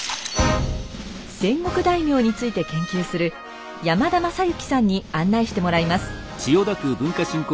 戦国大名について研究する山田将之さんに案内してもらいます。